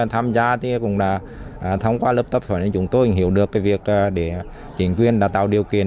tham gia cũng đã thông qua lớp tập huấn chúng tôi hiểu được việc để chính quyền tạo điều kiện